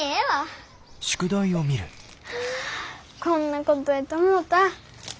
こんなことやと思うた。